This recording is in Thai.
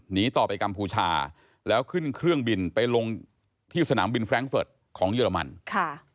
หนีต่อไปกัมพูชาแล้วขึ้นเครื่องบินไปลงที่สนามบินแร้งเฟิร์ตของเยอรมันค่ะ